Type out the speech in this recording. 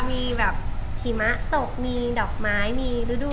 มีใบไม้เปลี่ยนสีด้วย